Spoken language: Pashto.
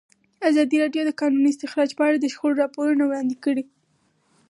ازادي راډیو د د کانونو استخراج په اړه د شخړو راپورونه وړاندې کړي.